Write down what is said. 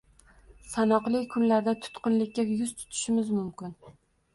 sanoqli kunlarda tutqunlikka yuz tutishimiz mumkin.